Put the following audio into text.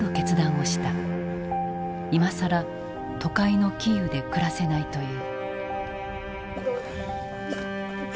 今更都会のキーウで暮らせないと言う。